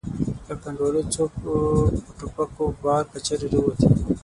له کنډوالو څو په ټوپکو بار کچرې را ووتې.